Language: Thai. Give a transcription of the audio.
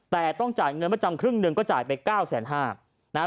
แต่ต้องจ่ายเงินประจำครึ่งหนึ่งก็จ่ายไป๙๕๐๐นะฮะ